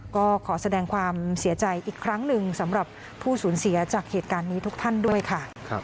ก็ขอแสดงความเสียใจอีกครั้งหนึ่งสำหรับผู้สูญเสียจากเหตุการณ์นี้ทุกท่านด้วยค่ะ